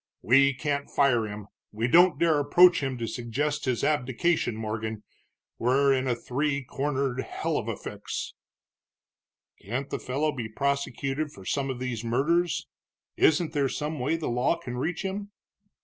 We can't fire him, we don't dare to approach him to suggest his abdication. Morgan, we're in a three cornered hell of a fix!" "Can't the fellow be prosecuted for some of these murders? Isn't there some way the law can reach him?"